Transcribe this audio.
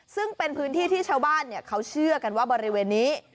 ซึ่งเป็นพื้นที่ที่ชาวบ้านเขาเชื่อกันว่าบริเวณนี้